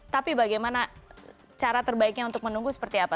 tapi bagaimana cara terbaiknya untuk menunggu seperti apa